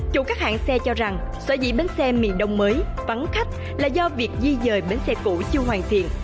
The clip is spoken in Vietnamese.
chủ các hãng xe cho rằng xóa dị bến xe miền đông mới vắng khách là do việc di dời bến xe cũ chưa hoàn thiện